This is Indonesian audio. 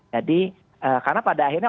jadi karena pada akhirnya